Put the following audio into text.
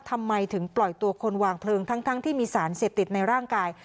ทำไมถึงปล่อยตัวคนวางเพลิงทั้งที่มีสารเสพติดในร่างกาย